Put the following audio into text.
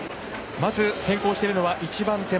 まず先行しているのは一番手前